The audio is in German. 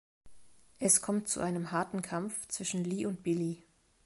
Es kommt zu einem harten Kampf zwischen Lee und Billy.